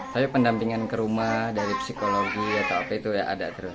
tapi pendampingan ke rumah dari psikologi atau apa itu ya ada terus